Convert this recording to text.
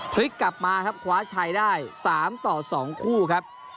พลิกกลับมาครับคว้าชัยได้๓ต่อ๒คู่ครับ